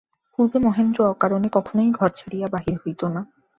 পূর্বে মহেন্দ্র অকারণে কখনোই ঘর ছাড়িয়া বাহির হইত না।